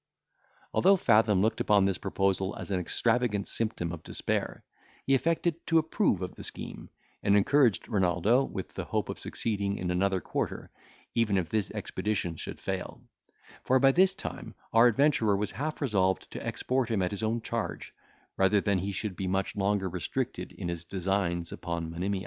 Although Fathom looked upon this proposal as an extravagant symptom of despair, he affected to approve of the scheme, and encouraged Renaldo with the hope of succeeding in another quarter, even if this expedition should fail; for, by this time, our adventurer was half resolved to export him at his own charge, rather than he should be much longer restricted in his designs upon Monimia.